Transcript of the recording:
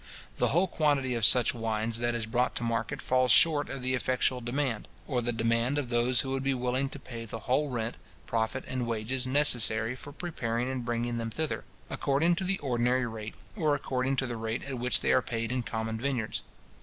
The whole quantity of such wines that is brought to market falls short of the effectual demand, or the demand of those who would be willing to pay the whole rent, profit, and wages, necessary for preparing and bringing them thither, according to the ordinary rate, or according to the rate at which they are paid in common vineyards.